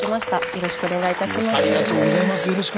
よろしくお願いします。